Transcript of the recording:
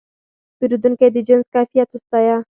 پیرودونکی د جنس کیفیت وستایه.